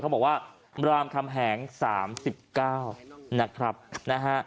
เขาบอกว่ารามคำแหง๓๙นะครับนะฮะ